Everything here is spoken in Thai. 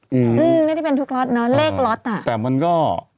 ไม่ได้ที่เป็นทุกล็อตเนอะ